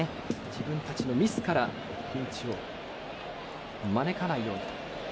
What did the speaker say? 自分たちのミスからピンチを招かないようにと。